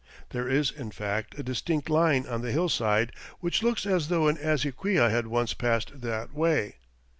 There is, in fact, a distinct line on the hillside which looks as though an azequia had once passed that way.